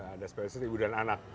ada yang spesialis ibu dan anak